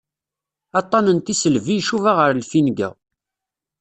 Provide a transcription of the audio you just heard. Aṭṭan n tisselbi icuba ɣer lfinga.